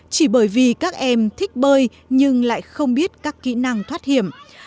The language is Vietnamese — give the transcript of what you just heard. chỉ bởi vì các em thích bơi nhưng lại không biết các kỹ năng thoát hiểm